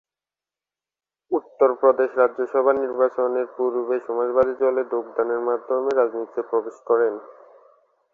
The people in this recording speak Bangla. উত্তরপ্রদেশ রাজ্যসভায় নির্বাচনের পূর্বে সমাজবাদী দলে যোগদানের মাধ্যমে রাজনীতিতে প্রবেশ করেন।